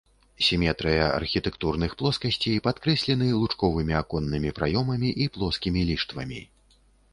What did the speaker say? Сіметрыя архітэктурных плоскасцей падкрэслены лучковымі аконнымі праёмамі і плоскімі ліштвамі.